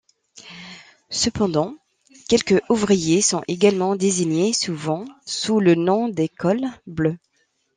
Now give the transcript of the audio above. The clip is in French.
Cependant, quelques ouvriers sont également désignés souvent sous le nom des cols bleus.